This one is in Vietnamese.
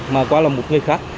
mà qua là một người khác